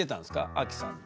アキさんの。